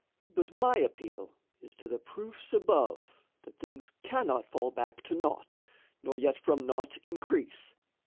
But my appeal is to the proofs above That things cannot fall back to naught, nor yet From naught increase.